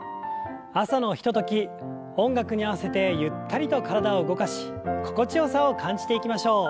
朝のひととき音楽に合わせてゆったりと体を動かし心地よさを感じていきましょう。